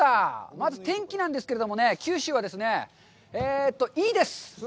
まず天気なんですけれどもね、九州は、えと、いいです！